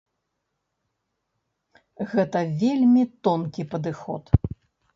Гэта вельмі тонкі падыход.